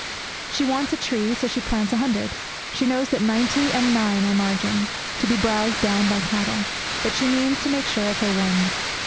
She wants a tree, so she plants a hundred. She knows that ninety and nine are margin, to be browsed down by cattle, but she means to make sure of her one.